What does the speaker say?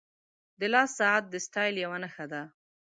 • د لاس ساعت د سټایل یوه نښه ده.